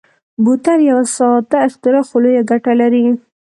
بوتل یو ساده اختراع خو لویه ګټه لري.